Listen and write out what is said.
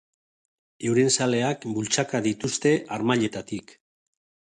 Euren zaleak bultzaka dituzte harmailetatik.